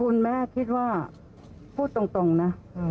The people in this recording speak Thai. คุณแม่คิดว่าพูดตรงนะ